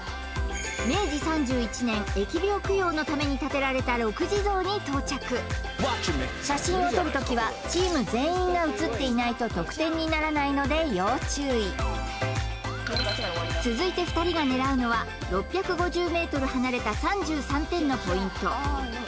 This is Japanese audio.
明治３１年疫病供養のために建てられた六地蔵に到着写真を撮るときはチーム全員が写っていないと得点にならないので要注意続いて２人が狙うのは６５０ｍ離れた３３点のポイント